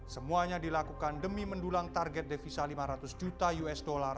semuanya dilakukan demi mendulang target devisa lima ratus juta usd